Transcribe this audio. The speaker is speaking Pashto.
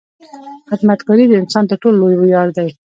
• خدمتګاري د انسان تر ټولو لوی ویاړ دی.